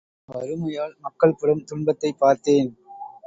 வறுமையால் மக்கள் படும் துன்பத்தைப் பார்த்தேன்.